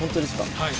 はい。